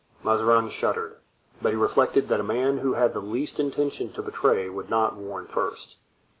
Mazarin shuddered, but he reflected that a man who had the least intention to betray would not warn first.